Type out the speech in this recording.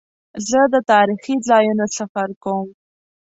زه د تاریخي ځایونو سفر کوم.